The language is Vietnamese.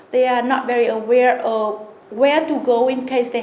hoặc tùy theo cơ hội sách trị